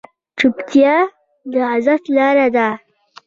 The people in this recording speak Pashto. چپتیا، د عزت لاره ده.